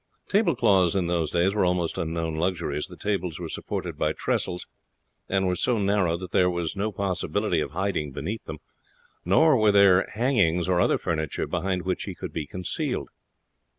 Tablecloths in those days were almost unknown luxuries. The tables were supported by trestles, and were so narrow that there was no possibility of hiding beneath them; nor were there hangings or other furniture behind which he could be concealed.